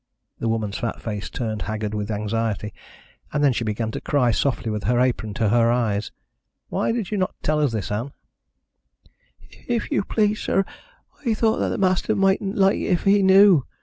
The woman's fat face turned haggard with anxiety, and then she began to cry softly with her apron to her eyes. "Why did you not tell us this, Ann?" "If you please, sir, I thought that the master mightn't like it if he knew.